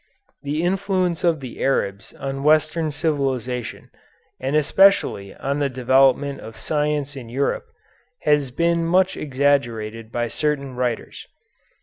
The influence of the Arabs on Western civilization, and especially on the development of science in Europe, has been much exaggerated by certain writers.